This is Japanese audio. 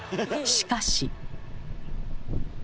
しかし。